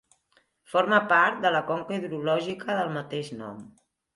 Forma part de la conca hidrològica del mateix nom.